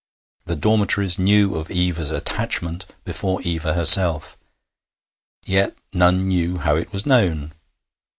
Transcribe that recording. The dormitories knew of Eva's 'attachment' before Eva herself. Yet none knew how it was known.